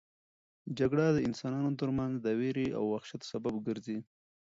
جګړه د انسانانو ترمنځ د وېرې او وحشت سبب ګرځي.